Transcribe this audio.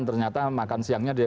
ternyata makan siangnya dia